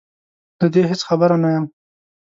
له دې هېڅ خبره نه یم